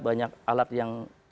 banyak alat yang